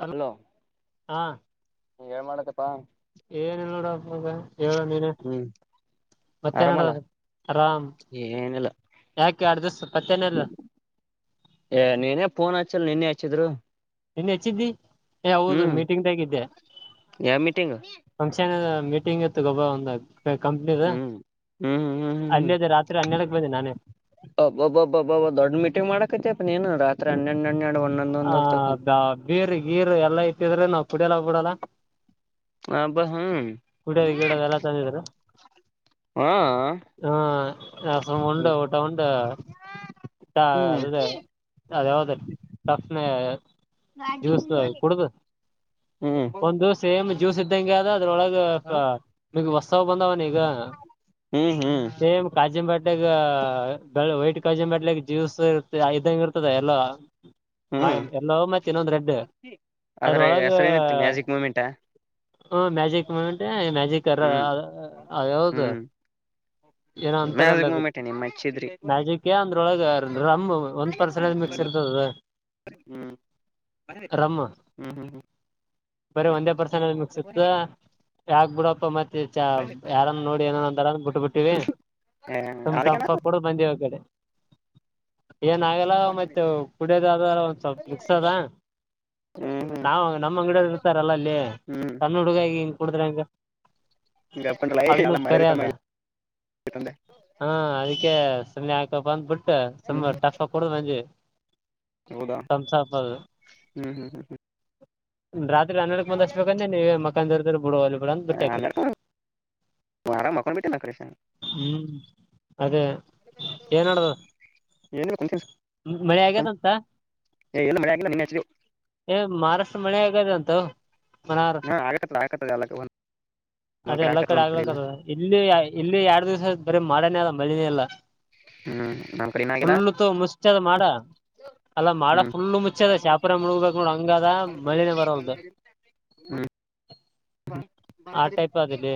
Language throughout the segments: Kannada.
ಹಲೋ ಆ ಏನ್ ಮಾಡಕ್ಕತ್ತಿ ಏನಿಲ್ಲ ನೋಡಪ್ಪ ಮಗ ಹೇಳುನೀನೆ ಹ್ಮ್ ಮತ್ತೆ ಏನ್ ಆರಾಮಲ್ಲ ನಡೆದ ಆರಾಮ್ ಏನಿಲ್ಲ ಯಾಕ ಎರಡು ದಿವಸ ಪತ್ತೇನಿಲ್ಲ ಹಚ್ಚಿಲ್ ನಿನ್ನೆ ಹಚ್ಚಿದ್ರು ನಿನ್ನೆ ಹಚ್ಚಿದ್ದಿ ಏ ಹೌದು ಹ್ಮ್ ಮಿಟಿಂಗ್‌ದಾಗ ಇದ್ದೆ ಯಾವ ಮೀಟಿಂಗ್ ಫಂಕ್ಷನ್ ಮೀಟಿಂಗ್ ಇತ್ತು ಗೊಬ್ಬರ ಬಂದಾಗ ಹು ಹು ಹೂ ಹೂ ಹೂ ಅಲ್ಲಿದ್ದ ರಾತ್ರಿ ಹನ್ನೆರಡಕ್ ಬಂದೆ ನಾನೇ ಹಬ ಬ ಹಬ್ಬ ದೊಡ್ಡ ಮೀಟಿಂಗ್ ಮಾಡಕತೆಪ್ಪ ನೀನು ತ್ರನೆನನ ಹ ಬ ಬೀರ್ ಗೀರು ಎಲ್ಲ ಹಿದ್ರ ನಾವು ಕೂಡೆಲ್ಲ ಬಿಡಲ್ಲ ಹಬ್ಬ ಹ್ಮ್ ಕುಡೆದು ಗಿಡೆದು ಎಲ್ಲ ತಂದಿದ್ರು ಹಾ ಹ್ ಆಶ್ರಮ ಉಂಡ ಹ್ಮ್ ಊಟ ಉಂಡ ಹ್ಮ್ ಅದು ಇದು ಅದುಯಾವದು ತಂದ್ ಜ್ಯೂಸ್ ಕುಡುದು ಹ್ಮ್ ಒಂದು ಸೇಮ್ ಜ್ಯೂಸ್ ಇದ್ದಂಗೆಹಾದ ಅದರೊಳಗ ಈಗ ಹೊಸವ ಬಂದವಲ ಈಗ ಹ್ಮ್ ಸೇಮ್ ಕಾಜಿನ್ ಬಾಟ್ಲಿ ಈಗಾ ವೈಟ್ ಕಾಜಿನ್ ಬಾಟ್ಲ್ಯಗ ಜ್ಯೂಸ್ ಇರುತ ಇದ್ದಂಗ ಇರುತ್ತದ ಎಲ್ಲಾ ಮ ಹ್ಮ್ ಎಲ್ಲೋ ಮತ್ತ ಇನ್ನೊಂದ್ ರೆಡ್ ಅದ್ರೊಳಗ ಮೂಮೆಂಟ್ ಆ ಹ್ ಮ್ಯಾಜಿಕ್ ಮೂಮೆಂಟ್ ಮ್ಯಾಜಿ ಏನ ಹ್ಮ್ ಹ್ಮ್ ಅಂತಲ್ಲ ಮ್ಯಾಜಿಕ್ ಮೂಮೆಂಟ್ ನಿಮ್ ಹಚ್ಚಿದ್ರಿ ಮ್ಯಾಜಿಕ್ ಅಂದ್ರ ರ ಒಂದ ಪರ್ ಮಿಕ್ಸ್ ಹ್ಮ್ ಇರ್ತ ಹ್ಮ್ ರ ಹ್ಮ್ ಹ್ಮ್ ಬರೀ ಒಂದೇ ಪರ್ಸನ್ ಅಲ್ಲಿ ಮುಕ್ಸುತ್ತ ಯ ಗುಡಪ್ಪ ಮತ್ತೆ ಚ ಯಾರನ್ನ ನೋಡಿ ಏನ ಅಂದಾರ ಬಿಟ್ಟ ಬಿಟ್ಟಿವ ಹ್ಮ್ ತಮ ಅದಕ್ಕೆ ಟಮಪ್ಸ್ ಕೂಡ ಬಂದಿವವಿ ಒಗಡೆ ಏನ ಆಗಲ್ಲ ಮತ್ತ ಕುಡಿಯೋದ ಅ ಒಂದ ಸ್ವಲ್ಪ ಮುಕ್ಸದ ಹ್ಮ್ ಹ್ಮ್ ನಾವ್ ನಮ್ಮ್ ಅಂಗಡಿಯ ಲ್ಲ ಅಲ್ಲಿ ಹ್ಮ್ ಸಣ್ಣ ಹುಡುಗ ನ್ ಕುಡುದ್ರಂಗ ಹಿಂಗ ಅಪ್ಪಲ್ಲ ಅದನ್ನು ಎಲ್ಲ ಮರ್ಯಾದೆ ಕಮ್ಮಿ ಕರಿದ ಆಗೈತಂದೆ ಹಾ ಅದಕ್ಕೆ ಸಮಯ ಆಯಕ ಬಂದ್ ಬಿಟ್ಟು ಹ್ಮ್ ಸಂಬ ಟಫಾ ಕೂಡ ನಜು ಹೌದಾ ಕಸಪದು ಹ್ಮ್ ಹ್ಮ್ ಹ್ಮ್ ರತ್ ಡ ಬಂದಬೇಕ ನೀವ ಮಕ್ಕಾ ಬಿಡ ಬಿಡ ಬಿಟ್ಟ ಹ್ಮ್ ಆರಾಮ್ ಮಕೊಂಡ್ ಬಿಟ್ಟೆ ನಾ ಕರೆಷನ್ ಹ್ಮ ಅದೇ ಏನ್ಡುದು ಏನ್ ಕುಂತೀನಿ ಮಳೆ ಸುಮ್ ಆ್ಯದಂತ ಏ ಎಲ್ಲ ಮಳೆ ಆಗಿಲ್ಲ ನಿನ್ನೆ ಹಚ್ಚಿದೆವು ಮಹಾರ ಮಳೆಗಾದಂತ ಹ ಮನ ಹಾ ಆಗಕತ್ತದ ಆಗಕತ್ತದ ಎಲ್ಲ ಒಂದ್ ಅದೆ ಎಲ್ಲಾ ಆಗಕತ್ತದ ಕಡೆ ಒಂದ್ ಇಲ್ಲ ಆಗ್ಲಕ್ಕದ ಇಲ್ಲಿ ಇಲ್ಲಿ ಎರಡ್ ದಿವ್ಸ ಬರೀ ಮಾಡನೇ ಆದ ಬೆಳಿದ ಅಲ್ಲ ಹ್ಮ್ ನಮ್ ಕಡೆ ಇನ್ನ ಆಗಿಲ್ಲ ಫುಲ್ಲ ತ ಮುಚ್ಚದ ಮಾಡ ಅಲ್ಲ ಮಾಡ ಹ್ಮ್ ಫುಲ್ಲು ಮುಚ್ಚದ ಶಾಪರೆ ಮುಳಗ್ಬೇಕು ನೋಡಂಗ ಹಂಗಾದ ಮಳಿನೆ ಬರಲ್ದು ಹಾ ಆ ಟೈಪ್ ಅದೆಲ್ಲಿ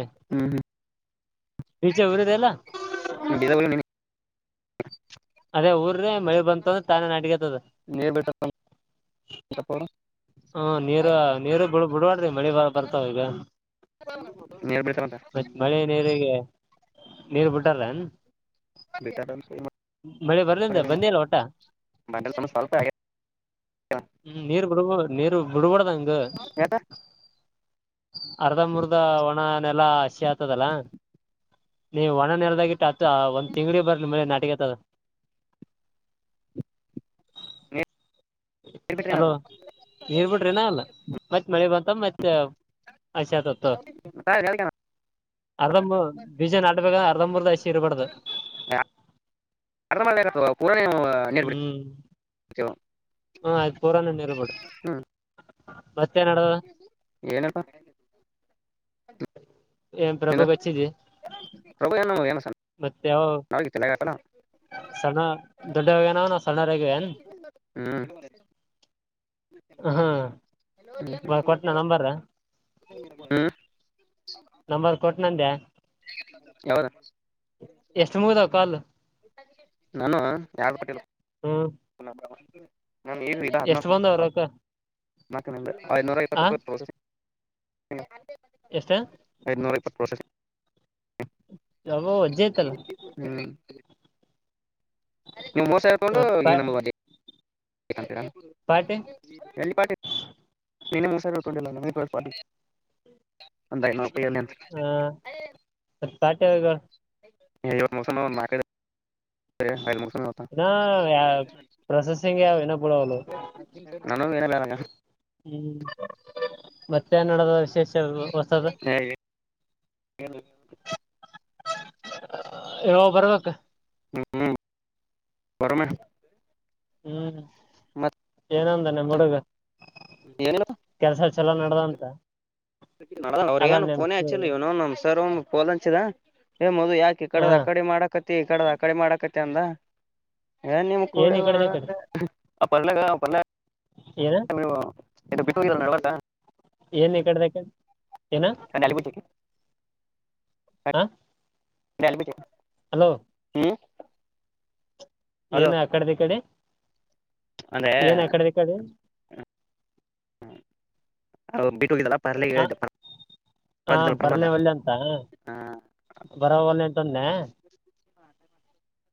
ಬೀಜಾ ಊರಿದೆಲ್ಲ ಹ ಅದೇ ಊರ ್ರೆ ಮಳೆ ಬಂತ್ರ ತಾನೇ ನಡಿಗೆತದ ನೀರ್ ಬಿಡ್ತಾರ ಅವರು ಹ್ಮ ನೀರು ನೀರು ಬಿಡ್ ಬಿಡ್ಬಡ್ರಿ ಮಳಿ ಬ ಬರ್ತಾವ ಈಗ ನೀರ್ ಬಿಡ್ತಾರಂತ ಮತ್ತ ಮಳೆ ನೀರಿಗೆ ನೀರ್ ಬಿಟ್ಟಾರ ಹ ಬಿಟ್ಟಾರ ಮಳೆ ಬರ್ದಿಂದ ಬಂದಲ್ಲ ಒಟ ಬಂಡಲ್ ತಮ್ಮ ಸ್ವಲ್ಪ ಆಗ್ಯದ ಹ್ಮ ನೀರ್ ಬಿಡ್ಬ ನೀರು ಬಿಡಬಡದ ಯಾಕ ಅರ್ಧ ಮುರ್ಧ ಒಣ ನೆಲ್ಲಾ ಆಗ್ತದಲ್ಲಾ ನೀವು ಒಣ ನೆಲ್ದಾಗಿಟ್ಟ ಹತ್ತು ಒಂದ್ ತಿಂಗಡಿ ಬರ್ರಿ ನಿ ನಾಟಿಗೆ ಆತದ ನೀರ್ ಬಿಟ್ರೆ ಅಲೋ ಏನಾತು ನೀರ್ ಬಿಡ್ರಿನ ಅಲ್ಲ ಮತ್ತ್ತತ್ ಮಳೆ ಬಂತ ಮತ್ತೆ ಹಸಿ ಆತತ್ತು ಅರ್ಧ ಬೀಜ ನಾಡ್ಬೇಕ್ರ ಅರ್ಧ ಮೂರ್ದ ಹಸಿ ಇರ್ಬಾರ್ದ ಅರ್ಣ ಮಾಡಳಗವಾ ಪೂರ್ಣೆಯ ಹ್ಮ್ ಹ ಆಯ್ತು ಪೂರಾಣ ಇರ್ಬೇಡ ಹ್ಮ್ ಹ ಏನಪ್ಪ ಏನ್ ಪ್ರಭುಕ್ಚ್ಚಿದಿ ಪ್ರಭು್ಣ್ೇಏ ಸಣ ಯವು ಸ್ಣ ದೊಡ್ಡವಾಗೇನ ನವು ಸಣ್ಣರಗ ೇನ್ ಹ್ಮ್ ಹ್ಮ ಲ ಕೊಟ್ನ ನಂಬರ್ ಹ್ಮ ನಂಬರ್ ಕೊಟ್ ನಂದೆ ಯೌದು ಎಷ್ಟ್ ಮುಗ್ದಾವ್ ಕಾಲ್ ನಾನು ಯಾರ ಪಟ್ಟಿಲ್ಲ ಹ್ಮ್ ನ್ ಈಗ ಇಲ್ಲ ಹದನ ಎಷ್ಟ್ ಬಂದವ್ ರೊಕ್ಕ ಮಕನಿಲ್ಲ ಆರನೂರಿ ಆ ಪತ್ತುಪರ್ ತಸ ಹಲ್ಲ ಐದನೂರ ಇಪ್ಪತ್ತು ವರ್ಷ ಅ ಅಜ್ಜಯತಲ್ಲ ನೀವು್ ಮೋಸ ಹಕೊಂಡು ಮತ್ ಈ ಪಾ ನಮ್ ಚಕ್ಕಂತೀಡ ಪಾಟಿ ಚಿಪಾಟ್ಟ ಮಿನ ವಿಾರೊಂಡಿಲ್ಲ ಅನ ಹಾ ಸಾಟೆ ವಗ ಇವತ್ತು ಮೋಸಮ ಅವ ನಕ ಅ ಮುಗಸತ ಇನ್ನ ಪ್ರೊಸೆಸಿಂಗ್ ಯಾವ್ ಇನ್ನ ಬಿಡವಲ್ವು ನಾನು ನರ ಹ್ಮ್ ಮತ್ತೆ ಕನ್ನಡದ ವಿಶೇಷ ವಸತದ ಏ, ಯ ಬರ್ಬೇಕ ಹ್ಮ್್ಮ ಬರಮೆ ಹ್ಮ್ ಏನೊಂದಾನೆ ಹಡುಗ ಏನಿಲ್ಲ ಕೆಲ್ಸ ಚಲ ನಡದ ಅಂತ ಅವ್ರ ಅಲ್ಲ ಏನು ನಿಮ್ ಪೋನ ಆಚ್ಚಿಲ್ಲ ಇವನ ನಮ್ ಸರ್ ಒ ಪೋಲ್ ಅಂಚಿದ ಮೊದದು ಯಾಕೆ ಹ ಕಡದ ಕಡೆ ಮಾಡಕತ್ತ ಈ ಕಡದ ಆ ಕಡೆ ಮಾಡಕತ್ತ ತ್ತ ಅಿಂದ ಏ ನಿಮ್ ಏನ್ ಕೂಡ್ರ ಈ ಕಡೆದ ಕಡೆ ಅಲ್ಲ ಏನು ಎ ಬಿಟ್ಟಾ ಏನ್ ಈ ಕಡೆದಕ ಅಾಲಿಪುಕ್ಕೆ ಹಾ ನಲ್ ಬಿಟ ಹಲೋ ಹ್ಮ ಏನ ಆ ಕಡೆದ ಕಡೆ ಅಂದ್ರೆ ಏನ ಕಡೆದ ಕಡೆ ಹ್ಮ ಬಿಟ್ಟು ಹೋಗಿದ್ದಲ್ಲ ಹ ಹ ಬರನೆೇ ಪರವಾಗಿಲ್ಲ ಒಳ್ಳೆ ಅಂತ ಬರ ಒಲ್ಲೆ ನ್ನೆ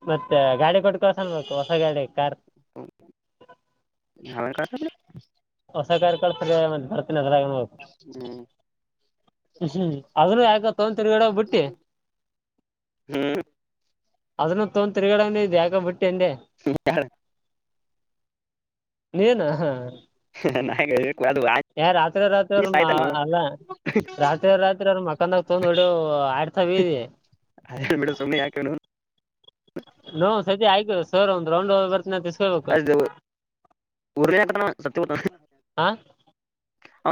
ಮತ್ತೆ ಗಾಡಿ ಡ್ಕಸ ಹೊಸ ಗಾಡೆ ಕಾರ ಹೊಸ ಕಾರ್ಯಕಳ ಸರಿಯ ಬತನದ ಹ್ಮ್ ಅದನ್ನು ಯಾಕ ತಗ ತಿರ್ಗಡ ಬಿಟ್ಟಿ ಹ್ಮ್ ಅದನ್ನ ತೊಂದ್ ತಿಗಡ ಇ ಯಾಕ ಬಿಟ್ಟು ಹ. ನೀನ ಹಾ. ನ. ಏ ರಾತ್ರಿ ರಾತ್ರಿ ಅವ್ರರು ಅಲ್ಲ ರಾತ್ರಿ ರಾತ್ರಿ ಅವ್ರ ಮಕಾನಾಗ ತೊೊಂಡ್ ನೋಡಿ. ಆ. ಆಯ ಮೇಡಮ ಸುಮನೆ ಯಾಕ ನ ನೋ್ ಸದ ಆಯ್ ಸರ್ ಒಂದ್ ರೌಂಡ್ ಬರ್ತ ಅದು ಉರುಟ್ಟಣ ಸತ್ಯ ಬ ಹ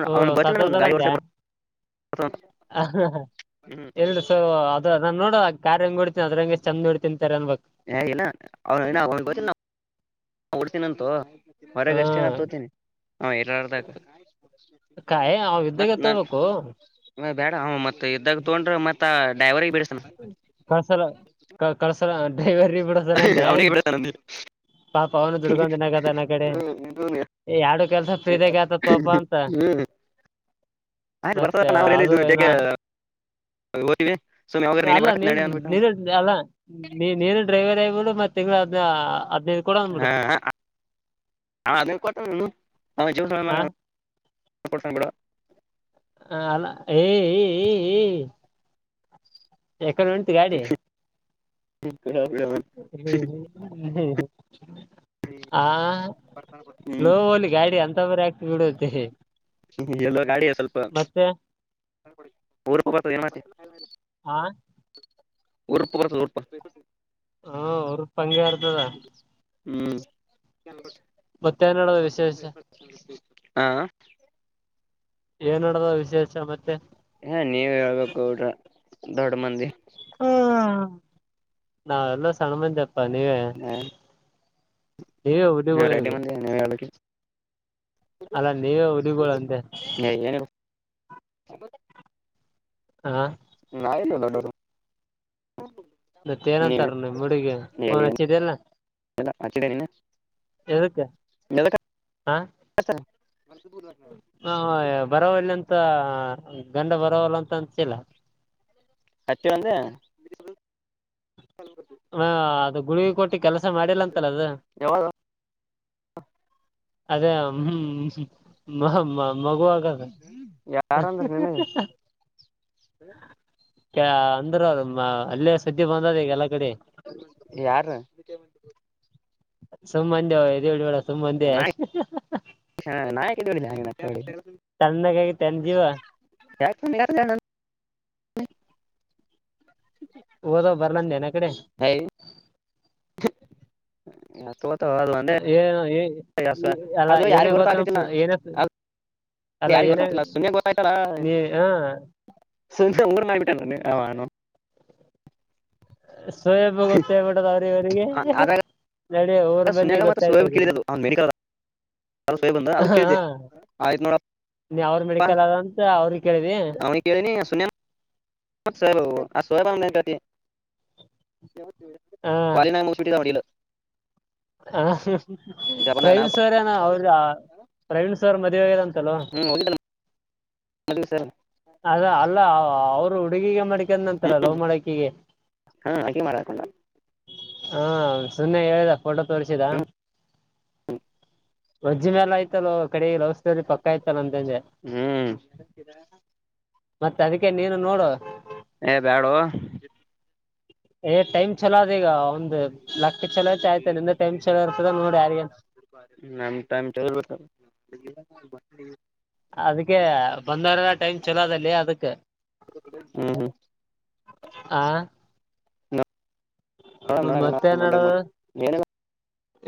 ಓ ಸ ಗೊತ್ತಿಲ್ಲ ಒಂದು ಹದಾರ ಗಾಡಿ ಅಂದ ಓಡ್ಸಕ್ ಬರ್ತದ ಅಂತ ಹ್ಮ್ ಎರಡು ಸ ಅದು ಅ ನೋಡ ಕಾರ್ಂಗ ಹೊಡ್ತೀಿದ್ರಂಗ ಚಂದ ನೋಡ್ ತಿನ್ಂತಾರೆ ಅನ್ ಹಗ ಹೊಡ್ತೀಿನಂತು ಹಾ ಹೊರಗಷ್ಟೇ ನಾ ತೋತೀನಿ ಹ ಎರಾರ್ದಾಗ ಕಾಯ ಅವ್ ಮತ್ ಇದ್ದಾಗೆ ತಗೋಬೇಕು ನಾು ಬೇಡ ಹ ಮತ್ತೆ ಇದ್ದಾಗ ತೊೊಂಡ್ರೆ ಮತಾ ಡವರ್ಗೆ ಬಿ ಕಸಲ ಕತ್ತು ಕಳ್ಸ ಡ್ರೈವರಿ ಬಿಡಸ ನಂದೆನ್ ಅವನಿಗೆ ಬಿಡಿಸ್ತಾನ ಪಾಪ ಅವನು ದುಡ್ಕೊಂಡಿನಗದ ನ ಕಡೆ ಯರಡು ಕೆಲ್ಸ ಫ್ರೀದಾಗ ಆತ ಪೋಪ ಅಂತ ಹ್ಮ್ ಆಯ್ತು ಬರ್ತಾರ ಮತ್ತೆ ನಾವ್್ರ ಅದು ಏನ ಹೇಳಿದ್ದುಗೆ ಹಗ ಬ ಇವೆ ಅಲ್ಲ ನೀ ನೀರು ಅಲ್ಲ ನೀ ನೀರು ಡ್ರೈವರ್ಬ ಮತ್ತ ತಿಂಗಳ ಹದ್ನೈದು ಕೊಡು ಅಂದ್ಬಿಡು ಹ ಅದ ಕೊಟ್ಟ ಕಪ ಆ ಹ ಬಿಡ ಹ ಅಲ್ಲ ಏ ಏ ಏ ಏ ಎಕಡೆ ಉಂತಿು ಗಾಡಿ ಹ ಹ್ಮ್ ಸ್ಲೋ ಹಲಿ ಗಾಡಿ ಅಂತ ಬರ ಆಕ್ತ ಇಡತೆ ಎಲ್ಲ ಗಾಡಿಯ ಸ್ವಲ್ಪ ಊೂಪ ಬತ ಏನ್ತ ಹಾ ಉರುಪವರ ನೂಪ ಹಾ ಅವ್ರ ಪಂಗಗೆರ್ತದಾ ಹ್ಮ್ ನಡದ ವಿಶೇಷ ಹ ಹಾ ಏನಡದ ವಿಶೇಷ ಮತ್ತೆ ಹಾ ನೀವ ಹೇಳ್ಬೇಕಡ್ರ ದೊಡ್ಡ ಮಂದಿ ಹ ನಾವೆಲ್ಲ ಸಣ್ಣ ಮಂದಿ ಪ್ಪ ನೀವ ನೀವು ರೆಡ್ಡಿ ಮಂದ ನೀ ವಳಿ ಅಲ್ಲಾ ನೀವೇ ಹುಲಿಗಳು ಅಂದೆ ನೀ ಏನು ಗ ಹ ಆ್. ಹ್ಮ್ಮ್. ಮತ್ತ ಏನಂತಾರ ಮುಡಿಗೆ ೋನ್ ಹಚ್ಚಿದೆಲ್ಲ ಹಚ್ಚಿದೆ ನೀನು ಎದಕ್ಕೆ ಹಾ ಹ ಬರೋಲ್ಲಂತ ಗಂಡ ಬರವಲ್ಲ ಅಂತ ಅನ್ಸಿಲ್ಲ ಹಚ್ಚು ಒಂದ ಹ ಅದು ಗುಡುಗಿ ಕೊಟ್ಟಿ ಕೆಲಸ ಮಾಡಿಲ್ಲಂತಲ್ಲ ಅದು ಯಾವಾಗ ಅದೇ ಹ್ಮ್ ಮ ನ ಮಗೂ ಆಗಾದ ಯಾರಂದ್ರ ನೀನು ಅಂದ್ರರು ಅಲ್ಲೇ ಸದ್ದಿ ಬಂದದ ಈಲ್ಲ ಯಾರ ಸುಮ್ಮಂದ ಹೇಳಿ ಹೇಳ [inaudible] [inaudible] ತಣ್ಣಗಿ ತನ್ ಜೀವ [inaudible] ಓದೋ [unintelligible] [inaudible] ಏನು ಅಲ್ಲಾ ಏನೇ ಗೊತ್ತ ಏನ ಅಲ್ಲ [inaudible] ಏನೇ ನೀ ಹ [inaudible] ಸೊಯಬು ಗೊತ್ತೇಳ್ಬಿಡದ ಅವ್ರವರಿಗೆ ಅದಾಗ ಸುನ್ಯಾಗ ಮತ್ತು ಸುಭಿಕಿಳಿದು ಅವ್ನು ಮಡಲ್ ಹಾ ನೋಡಪ್ಪಾ ನೀ ಅವಾವ್ರ ಮೆಡಿಕಲ್ ಅದಂತ ಅವ್ರ ಕೇಳಿದಿ ಅವನಿಗೆ ಕೇಳಿನಿ ಸುನ್ಯಾ [inaudible] [inaudible] ಹ ಜಪಾನಾಗ ನಾ ಪ್ರವೀಣ್ ಸರ್ ಏನ ಅವ್ರ ಪ್ರವೀಣ್ ಸರ್ ಮದುವೆಂತ [inaudible] ಹ್ಮ್ ಹೋಗಿದ್ದಲ್ಲ [inaudible] ಅದ ಅಲ್ಲ ಅವರು ಹಡುಗೆಗಮ್ಮ ಮಾಡ ನಂತರಲ್ಲ ಲವ್ ಮಡಕೆಗೆ ಹಾ ಆಕಿ ಮಾಡಾಕೊಂಡ ಹಾ ಸುನ್ನೆ ಹೇಳುದ ಫೋಟೋ ತೋರಿಸಿದಾ ಹ್ಮ್ ರಜ್ಜಿ ಮೆ ಆಯತವ ಕಡಲ್ಲ ಲವ್ಸ್ ಪಕ್ಕ ಆಯ್ತಲ್ಲಂತಂದೆ ಹ್ಮ್ ಮತ್ತೆ ಅದಕ್ಕೆ ನೀನು ನೋಡುು ಏ ಬ್ಯಾಡೋ ಒಂದ್ ಲಕ್ಕ ಚಲೋ ಐತಿ ಆಯ್ತ ನಿಂದ ಟೈಮ್ ಚಲೋ ಇರ್ತದ ನೋಡಿ ಯಾರಿಗ ನಮ್ ಟೈಮ್ ಚಲೋ [inaudible] ಅದಕ್ಕೆ ಬಂದವರನ ಟೈಮ್ ಚಲೋ ಅದಲ್ಲಿ ಅದಕ್ ಹ್ಮ್ ಹ್ಮ್ ಆ [inaudible] ನ ನೋಡ ಮತ್ತೆ ನಡದ ಏನಿಲ್ಲ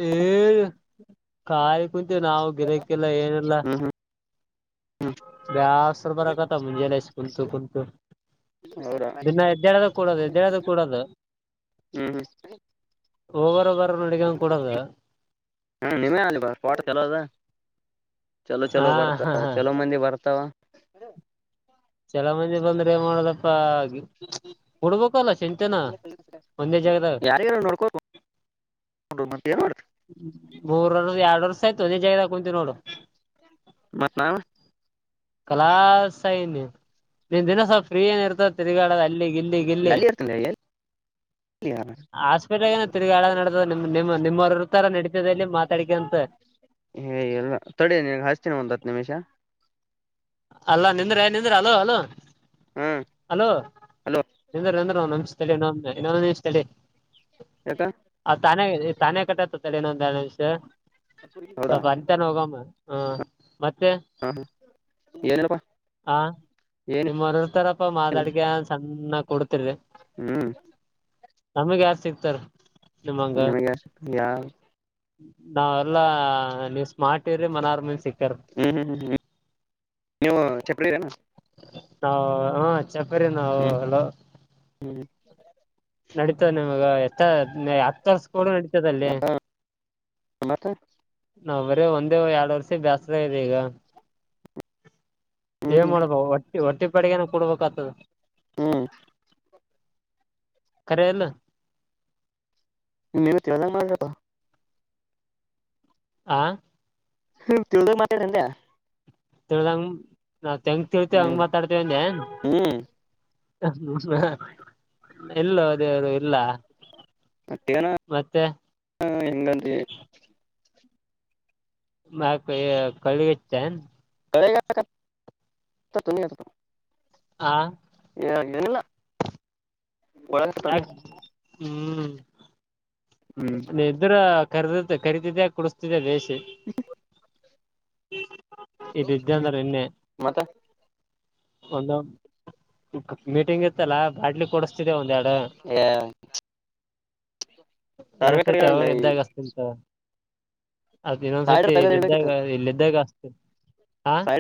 ಏ ಕಾಯಿ ಕುಂತು ನಾವು ಗಿರಾಕಿ ಇಲ್ಲ ಏನೆಲ್ಲ ಹ್ಮ್ ಹ್ಮ್ ವ್ಯಾಸರು ಹ್ಮ್ ಬರಕತ್ತದೆ ಮುಂಜಾನೆಯಿಂದ ಕುಂತು ಕುಂತು ಹೌದಾ ದಿನ ಎದ್ದೇಳೋದು ಕೋರದು ದು ಕೂಡದು ಹ್ಮ್ ಹ್ಮ್ ಒಬರೊಬ್ಬರ ನಡಗ ಕೂಡದು ಹ ನಿಮೇ ಅ ಬ ಪೋಟ ಕೆಲೋದ ಚಲೋ ಹಾ ಚಲೋ ಹಾ ಬರ್ತಾವ ಚಲೋ ಮಂದಿ ಬರ್ತಾವ ಹ್ಮ ಚಲ ಮಂದಿ ಬಂದ್ರೆ ಏನ್ ಮಾಡದಪ್ಪ ಸ್ಪ ಹಾಗೆ ಕೊಡಬೇಕು ಲ್ಲ ಚಂತೆೆನಾ ಒಂದೇ ಜಾಗದ ಹ ಮ ಬೋರರು ಎರಡರ್ಶಾ ಆಯ್ತು ಅೇ ಜದಾಗ ಕುಂತು ನೋಡು ಮತ್ತು ನಾವು ಕಲಾೈ ನೀ ನಿನ್ ದಿನ ಸ್ವಲ್ಪ ಫ್ರೀ ಏನ್ ಇರ್ತದೆ ತಿರ್ಗಾಳದ ಅಲ್ಲಿ ಗಿಲ್ಲಿ ಗಿಲ್ಲಿ ಎಲ್ಲಿ ಇರ್ತನ ಎಲ್ಲಿ ಯಾರ ಹಾಸ್ಪಿಟ್ಲ್ಏನ ತಿರುಗಾಳದ ನಡತದೆಮ್ ನಿ ನಿಮ್ಮವರು ಇರ್ತಾರ ನಡತದೆಲ್ಲಿ ಮಾತಾಡಿಕಂತ ಎಲ್ಲ ತಡಿ ನಿನಗ್ ಹಚ್ತೀನಿ ಒಂದ್ ಹತ್ತು ನಿಮಿಷ ಅಲ್ಲ ನಿಂದ್ರೆ ನಿಂದ್ರೆ ಅಲೋ ಅಲ ಹ್ಮ್ ಹಲೋ ಹಲೋ ಎಂದ್ರಂದ್ರ ನನ್ಸ ಇನ್ನೊ ಇನ್ನೊಂದೇ ಇಷ್ಟಳ ಯಾಕ ಆ ತಾನ ತಾನೇ ಕಟ್ಟತತ್ತ ಏನೊಂದ ವಿಷಯ ಹೌದಾ ಸ್ವಲ್ಪ ಅಂತಾನ ಹೋಗಮ್ಮ ಹಾ ಮತ್ತೆ ಹ ಏನಿಲ್ಲಪ್ಪಾ ಹ ಏನ್ ನಿಮ್ಮ್ ಮರರ್ತಾರಪ್ಪ ಮಾದಾಡ್ಗೆ ಕೊಡ್ತಿರ್ರಿ ಹ್ಮ್ ನಮಗ್ ಯಾರ್ು ಸಿಗ್ತಾರ ನಿಮ್ಮಂಗ ನಿಮಗೆ ಯಾವ ನಾವೆಲ್ಲಾ ಸ್ಮ್ಟ ಇ ರರಿ ಮನಾರರಮೇಲ್ ಸಿಕ್ ಹ್ಮ್ ಹ್ಮ್ ಹ್ಮ್ ಹ್ಮ್ ನೀವು ಚಪ್ಪಡಿರೇ ನಾವು ಹ ಚಪ್ಪರಿ ನಾವು ಹಲೋ. ಹ್ಮ್. ನಡೀತದ ನಿಮಗ ಎತ್ತ ಹತ್ತಸ. ಕೋಡ್ ನಡಿತದಲ್ಲಿ. ಮತ್ತ ನಾವ್ ಬರೇ ಒಂದೇ ಯಾಡ್ ವರ್ಷ ಬ್ಯಾಸ್ರ ಇದೆ ಈಗ. ಹ್ಮ್ ಏನ್ ಹ್ಮ್ ಮಾಡಬ ಒಟ್. ಈ ಒಟ್ಟಿ ಪಾಡಿಗೆನ ಕೊಡ್ಬೇಕಾಗ್ತದ. ಹ್ಮ್. ಖರೆ ಇಲ್ಲ. ನಿನಗ್ ತಿಳದಂಗ ಮಾಡ್ಲೆಪಾ. ಆ. ಹ ತಿಳಿದಾಗ ಮಾತಾಾರನ್ [inaudible] ತಿಳದಂಗ್. ನಾವು ತೆಂಗ ತಿಳ್ತಿವಿ ಹಂಗ ಹ್ಮ್ ಮಾತಾಡ್ತೇವ ಅಂದಿ. ಹ್ಮ್ ಹ್ಮ ಇಲ್ಲೊ ದೇವ್ರ ಇಲ್ಲ. ಮಟ್ಟನ ಮತ್ತೆ ಎಂಗಂತ [inaudible] ಮ ಕಳಗೆತ್ತೆ [inaudible] ಕಗ [inaudible] ಆ. ಏಿದ್ದೇನಿಲ್ಲ [inaudible] ಯಾಕ್ ಹ್ಮ್. ಹ್ಮ್ ನೀ ಇದ್ರ. ಕರದ ಕರೀತಿದೆ ಕುಡಿಸ್ತಿದೆ ಬೇಶ. ಹ. ಇದ ಇದ್ದೆ ಅಂದ್ರ ನಿನ್ನೆ ಮತ್ತ. ಒಂದ ಮೀಟಿಂಗ್ ಇತ್ತಲ್ಲಾ ಬಾಡ್ಲಿ ಕೊಡಸ್. ಎ. ಇನ್ನೊಂದ್ ಸತಿ ಅವನಿದ್ದಾಗ ಹಚ್ತಿನ ತಗೊ. ಅದ ಸಾಯ್ರ ಇನ್ನೊಂದ್ಸತಿ ತಗದ ಇಲ್ಲ್ದಾಗ ಇಡ್ಬೇಕಿತ್ತು ಇಲ್ಲದ್ದಾಗ ಹಸ್ತೆ ಹಾ. ಸಾಯ